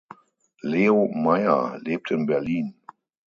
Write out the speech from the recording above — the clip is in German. Leo Meier lebt in Berlin.